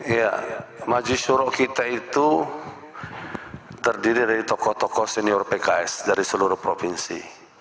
ya majelis juro kita itu terdiri dari tokoh tokoh senior pks dari seluruh provinsi